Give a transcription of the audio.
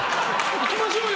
行きましょうよ！